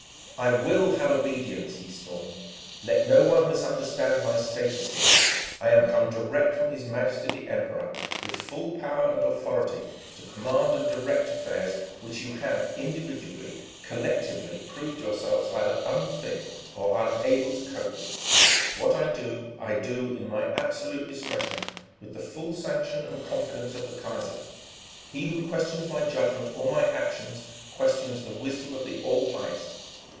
"I will have obedience!" he stormed. "Let no one misunderstand my status here: I am come direct from His Majesty the Emperor with full power and authority to command and direct affairs which you have, individually, collectively, proved yourselves either unfit or unable to cope with. What I do, I do in my absolute discretion, with the full sanction and confidence of the Kaiser. He who questions my judgment or my actions, questions the wisdom of the All Highest.